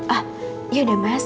ah yaudah mas